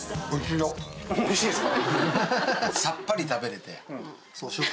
おいしいですか。